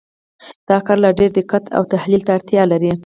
دا کار لا ډېر دقت او تحلیل ته اړتیا لري.